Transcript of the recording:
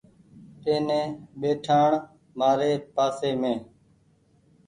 ائيني ٻئيٺآڻ مآري پآسي مينٚ